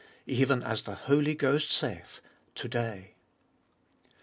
Even as the Holy Ghost saith, To day.